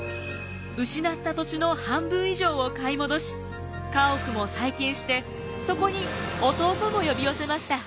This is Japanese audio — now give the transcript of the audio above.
失った土地の半分以上を買い戻し家屋も再建してそこに弟も呼び寄せました。